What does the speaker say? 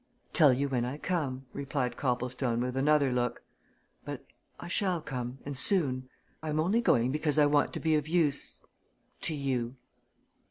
"Tell you when I come," replied Copplestone with another look. "But I shall come and soon. I'm only going because I want to be of use to you."